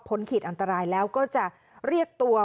เผื่อ